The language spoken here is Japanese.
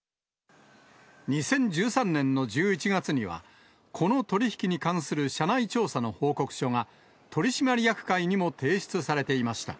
２０１３年の１１月には、この取り引きに関する社内調査の報告書が、取締役会にも提出されていました。